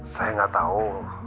saya gak tau